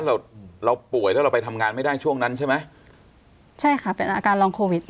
เราเราป่วยแล้วเราไปทำงานไม่ได้ช่วงนั้นใช่ไหมใช่ค่ะเป็นอาการลองโควิด